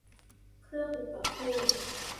เครื่องอุปโภค